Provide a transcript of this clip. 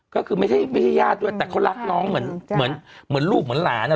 ก็คือไม่ใช่ไม่ใช่ญาติด้วยแต่เขารักน้องเหมือนเหมือนลูกเหมือนหลานอ่ะ